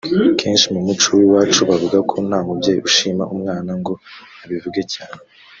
kenshi mu muco w’iwacu bavuga ko nta mubyeyi ushima umwana ngo abivuge cyane